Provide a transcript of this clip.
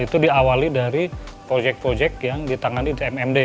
itu diawali dari projek projek yang ditangani tmmd